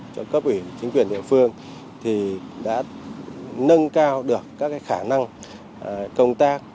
cho cấp ủy chính quyền địa phương thì đã nâng cao được các khả năng công tác